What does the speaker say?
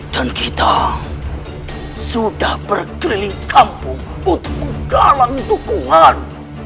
dan kita sudah berkeliling kampung untuk menggalangi dukungan